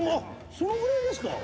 そのぐらいですか。